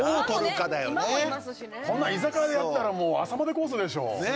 こんなん居酒屋でやったらもう朝までコースでしょ。